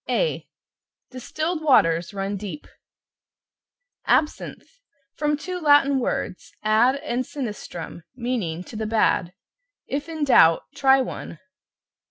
A Distilled waters run deep. =ABSINTHE= From two Latin words, ad, and sinistrum, meaning "to the bad." If in doubt, try one.